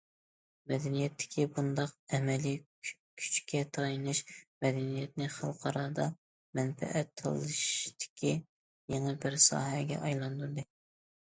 مەدەنىيەتتىكى بۇنداق ئەمەلىي كۈچكە تايىنىش، مەدەنىيەتنى خەلقئارادا مەنپەئەت تالىشىشتىكى يېڭى بىر ساھەگە ئايلاندۇردى.